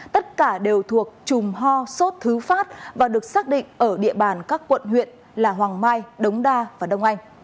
tất cả đều thuộc chùm ho sốt thứ phát và được xác định ở địa bàn các quận huyện là hoàng mai đống đa và đông anh